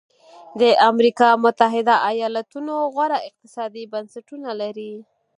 د امریکا متحده ایالتونو غوره اقتصادي بنسټونه لري.